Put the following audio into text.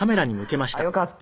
よかった。